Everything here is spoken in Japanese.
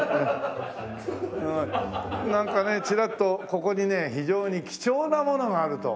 なんかねチラッとここにね非常に貴重なものがあると。